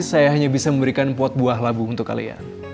saya hanya bisa memberikan pot buah labu untuk kalian